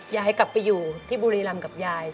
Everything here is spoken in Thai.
ย้ายกลับไปอยู่ที่บุฏิลำกับย้าย